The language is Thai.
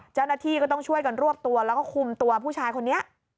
เจ้าหน้าที่ก็ต้องช่วยกันรวบตัวแล้วก็คุมตัวผู้ชายคนนี้